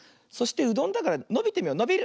そしてうどんだからのびてみよう。